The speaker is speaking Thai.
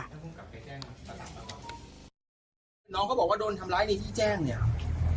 น้องก็บอกว่าโดนทำร้ายในที่แจ้งนี้ค่ะ